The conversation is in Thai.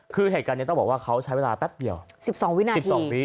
คือเหตุการณ์นี้ต้องบอกว่าเขาใช้เวลาแป๊บเดียว๑๒วินาที๑๒วิ